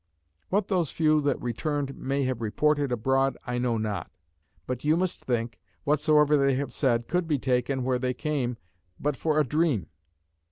What those few that returned may have reported abroad I know not. But you must think, whatsoever they have said could be taken where they came but for a dream.